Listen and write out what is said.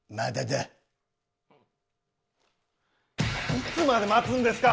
いつまで待つんですか！